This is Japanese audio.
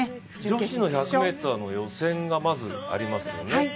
女子の１００ｍの予選がありますよね。